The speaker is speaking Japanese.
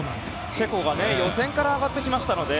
チェコが予選から上がってきましたので。